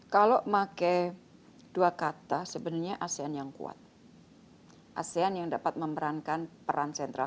kalau pakai dua kata sebenarnya asean yang kuat asean yang dapat memerankan peran sentral